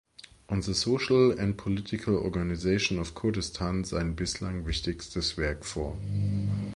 On the Social and Political Organization of Kurdistan" sein bislang wichtigstes Werk vor.